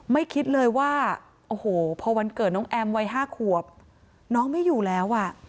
คิดเลยว่าโอ้โหพอวันเกิดน้องแอมวัย๕ขวบน้องไม่อยู่แล้วอ่ะ